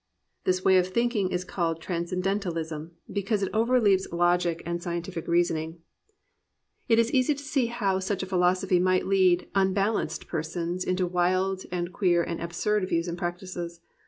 This way of thinking is called transcendentalism, because it overleaps logic and scientific reasoning. 338 A PURITAN PLUS POETRY It is easy to see how such a philosophy might lead unbalanced persons into wild and queer and absurd views and practices.